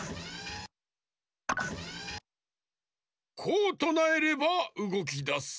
こうとなえればうごきだす。